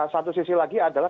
satu sisi lagi adalah